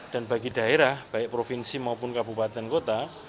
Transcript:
dan bagi daerah baik provinsi maupun kabupaten kota